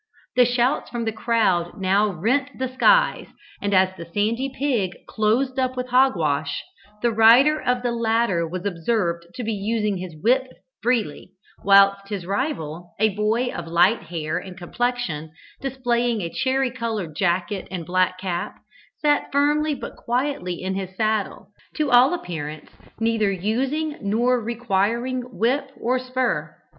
The shouts from the crowd now rent the skies, and as the sandy pig closed up with Hogwash, the rider of the latter was observed to be using his whip freely, whilst his rival, a boy of light hair and complexion, displaying a cherry coloured jacket and black cap, sat firmly but quietly in his saddle, to all appearance neither using nor requiring whip or spur.